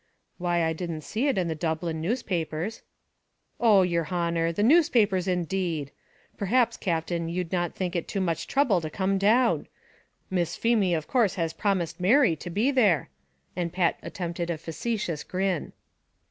"Why I didn't see it in the Dublin newspapers." "Oh, yer honer; the newspapers indeed! Perhaps, Captain, you'd not think it too much throuble to come down; Miss Feemy of course has promised Mary to be there," and Pat attempted a facetious grin.